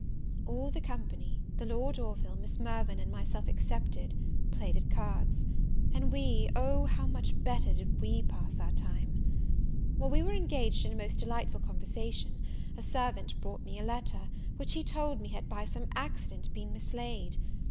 All the company the, Lord Orville, Miss Mirvan, and myself excepted, played at cards; and we oh, how much better did we pass our time! While we were engaged in a most delightful conversation, a servant brought me a letter, which he told me had by some accident been mislaid.